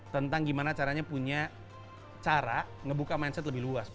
tentang gimana caranya punya cara ngebuka mindset lebih luas